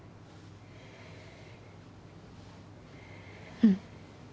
うん。